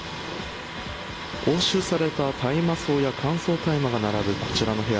押収された大麻草や乾燥大麻が並ぶこちらの部屋